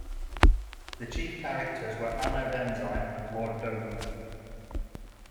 The chief characters were Anode Enzyme and Lord Doberman.